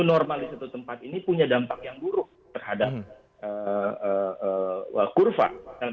normal di satu tempat ini punya dampak yang buruk terhadap kurva